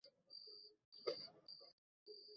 তিনি একদল মারাঠা সৈন্যকে মুর্শিদাবাদে প্রেরণ করেন।